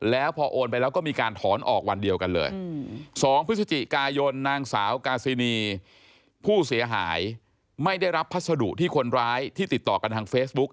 แล้วพอโอนไปแล้วก็มีการถอนออกวันเดียวกันเลย๒พฤศจิกายนนางสาวกาซินีผู้เสียหายไม่ได้รับพัสดุที่คนร้ายที่ติดต่อกันทางเฟซบุ๊ก